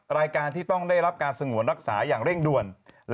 รายการที่ต้องได้รับการสงวนรักษาอย่างเร่งด่วน